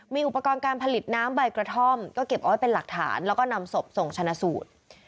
มีอุปกรณ์การผลิตน้ำใบกระท่อมก็เก็บเอาไว้เป็นหลักฐานแล้วก็นำศพส่งชนะสูตร